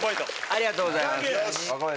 ありがとうございます。